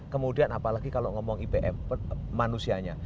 kemudian apalagi kalau ngomong ipm manusianya